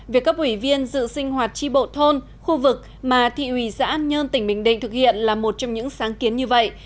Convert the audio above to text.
việc cấp ủy viên dự sinh hoạt tri bộ thôn khu vực mà thị ủy xã an nhơn tỉnh bình định thực hiện là một trong những sáng kiến như vậy